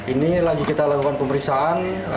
ini lagi kita lakukan pemeriksaan